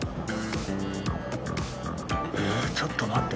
ええちょっと待って。